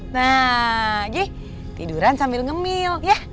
nah jeh tiduran sambil ngemil ya